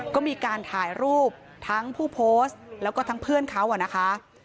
ก็มีการถ่ายรูปทั้งผู้โพสต์แล้วก็ทั้งเพื่อนเขานะคะ